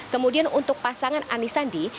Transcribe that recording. kemudian untuk pasangan anisandi